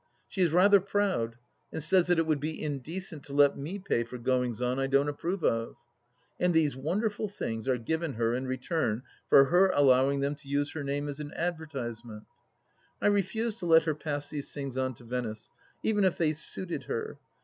She is rather proud, and says that it would be indecent to let me pay for goings on I don't approve of. And these wonderful things are given her in return for her allowing them to use her name as an advertisement. I refuse to let her pass these things on to Venice, even if they suited her.